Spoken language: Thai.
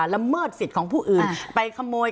ละเมิดสิทธิ์ของผู้อื่นไปขโมย